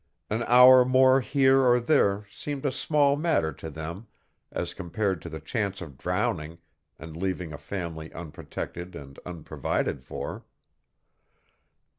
An hour more here or there seemed a small matter to them as compared to the chance of drowning and leaving a family unprotected and unprovided for.